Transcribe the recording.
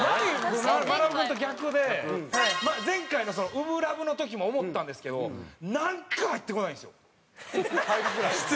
まなぶ君と逆で前回の『初心ＬＯＶＥ』の時も思ったんですけどなんか入ってこないんですよ。